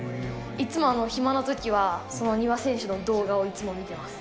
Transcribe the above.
いつも暇なときは、その丹羽選手の動画をいつも見てます。